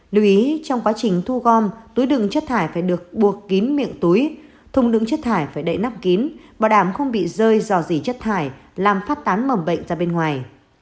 lưu ý trong quá trình thu gom túi đựng chất thải phải được buộc kín miệng túi thùng đựng chất thải phải đậy nắp kín bảo đảm không bị rơi dò dỉ chất thải làm phát tán mầm bệnh ra bên ngoài